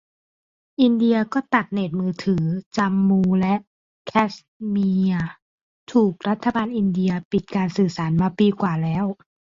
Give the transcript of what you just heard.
อินเดียก็ตัดเน็ตมือถือ จัมมูและแคชเมียร์ถูกรัฐบาลอินเดียปิดการสื่อสารมาปีกว่าแล้ว